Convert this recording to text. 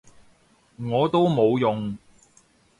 我都冇用